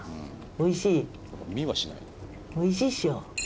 おいしいっしょ。